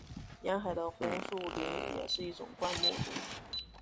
沿海的红树林也是一种灌木林。